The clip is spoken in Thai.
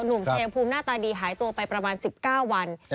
หนุ่มชายภูมิหน้าตาดีหายตัวไปประมาณ๑๙วัน